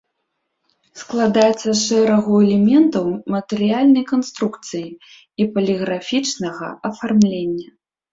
Складаецца з шэрагу элементаў матэрыяльнай канструкцыі і паліграфічнага афармлення.